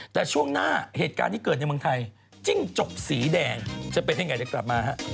แต่ช่วงหน้าเหตุการณ์ที่เกิดในเมืองไทยจิ้งจกสีแดงจะเป็นยังไงเดี๋ยวกลับมาฮะ